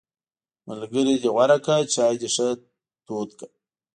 ملګری دې غوره کړه، چای دې ښه تود کړه!